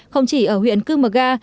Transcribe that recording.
không chỉ ở huyện cư mở ga